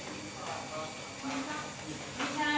มันน่าจะเห็นหน้าจะจำ